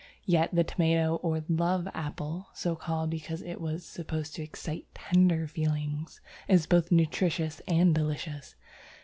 Yet the Tomato or Love Apple (so called because it was supposed to excite tender feelings) is both nutritious and delicious.